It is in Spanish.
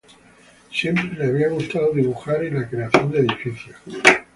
Siempre le había gustado dibujar y la creación de edificios.